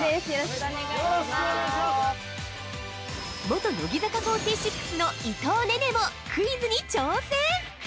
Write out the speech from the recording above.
◆元乃木坂４６の伊藤寧々もクイズに挑戦。